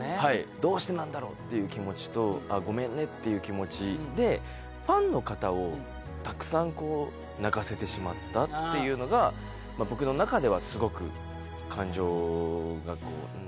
どうしてなんだろうっていう気持ちとごめんねっていう気持ちでファンの方をたくさん泣かせてしまったっていうのが僕の中ではすごく感情がこう。